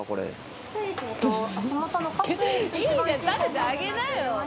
いいじゃん食べてあげなよ。